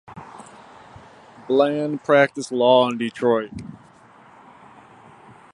Bland practiced law in Detroit.